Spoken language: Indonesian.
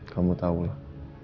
kamu tahu lah